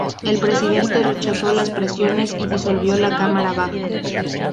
El Presidente rechazó las presiones y disolvió la cámara baja.